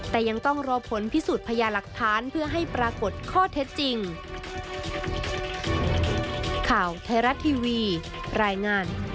แต่ยังต้องรอผลพิสูจน์พยาหลักฐานเพื่อให้ปรากฏข้อเท็จจริง